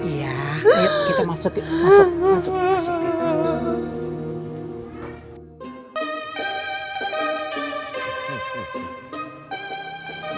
iya yuk kita masuk yuk masuk masuk